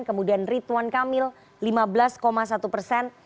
kemudian ritwan kamil lima belas satu persen